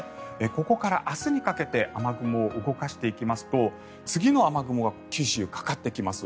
ここから明日にかけて雨雲を動かしていきますと次の雨雲は九州にかかってきます。